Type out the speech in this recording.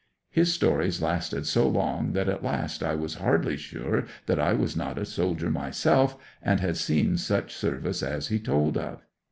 His stories lasted so long that at last I was hardly sure that I was not a soldier myself, and had seen such service as he told of.